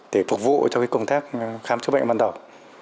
để phục vụ cho công tác khám chữa bệnh ban đầu